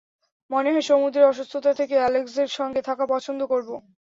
মনে হয় সমুদ্রের অসুস্থতার থেকে অ্যালেক্সের সঙ্গে থাকা পছন্দ করব।